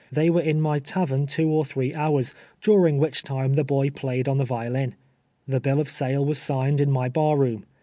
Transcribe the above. They were in my tavern two or threa houi s, during which time the boy played on the vio lin. The bill of sale was signed in my bar room.